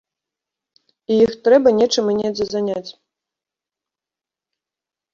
І іх трэба нечым і недзе заняць.